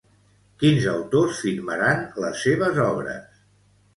Quins autors firmaran les seves obres?